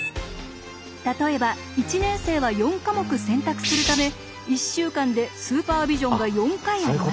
例えば１年生は４科目選択するため１週間でスーパービジョンが４回あります。